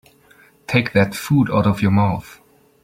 Take that food out of your mouth.